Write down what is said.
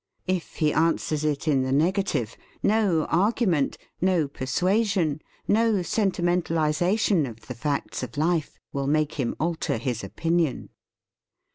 If he answers it in the negative, no argument, no persua sion, no sentimentalisation of the facts of life, will make him alter his opinion.